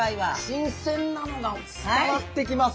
新鮮なのが伝わってきます。